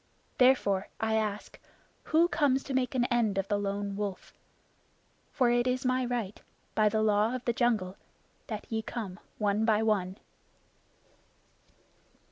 Therefore, I ask, who comes to make an end of the Lone Wolf? For it is my right, by the Law of the Jungle, that ye come one by one."